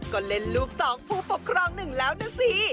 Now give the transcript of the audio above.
ก็เล่นลูกสองผู้ปกครองหนึ่งแล้วนะสิ